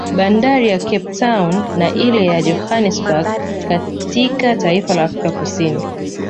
Bandari ya Cape town na ile ya Johanesberg katika taifa ka Afrika Kusini